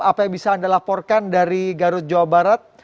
apa yang bisa anda laporkan dari garut jawa barat